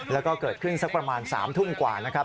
แล้วก็เกิดขึ้นสักประมาณ๓ทุ่มกว่านะครับ